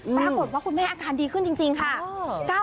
ปรากฏว่าคุณแม่อาการดีขึ้นจริงค่ะ